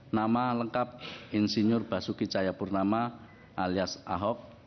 nama lengkap insinyur basuki cahayapurnama alias ahok